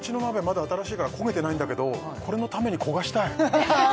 まだ新しいから焦げてないんだけどこれのために焦がしたいははは！